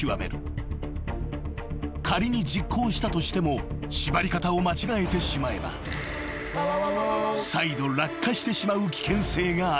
［仮に実行したとしても縛り方を間違えてしまえば再度落下してしまう危険性があった］